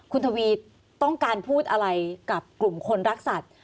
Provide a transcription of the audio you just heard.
คุณทวีต้องการพูดอะไรกับกลุ่มคนรักสัตว์